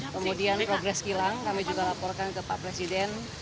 kemudian progres kilang kami juga laporkan ke pak presiden